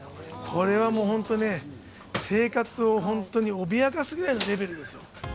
これはもう本当ね、生活を本当に脅かすぐらいのレベルですよ。